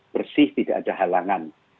bersih tidak ada halangan